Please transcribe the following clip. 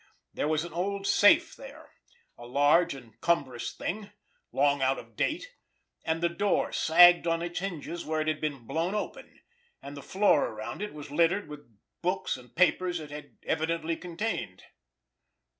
There was an old safe there, a large and cumbrous thing, long out of date, and the door sagged on its hinges where it had been blown open, and the floor around it was littered with the books and papers it had evidently contained.